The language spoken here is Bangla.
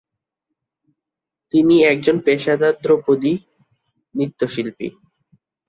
তিনি একজন পেশাদার ধ্রুপদী নৃত্যশিল্পী।